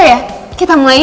baru aja di tempohan nemu